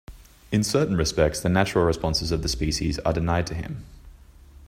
In certain respects the natural responses of the species are denied to him.